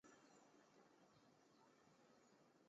斯坦威街车站列车服务。